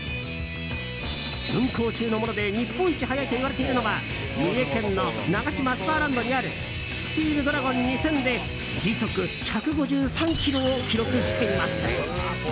運行中のもので日本一速いといわれているのは三重県のナガシマスパーランドにあるスチールドラゴン２０００で時速１５３キロを記録しています。